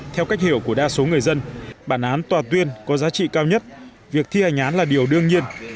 theo cách hiểu của đa số người dân bản án tòa tuyên có giá trị cao nhất việc thi hành án là điều đương nhiên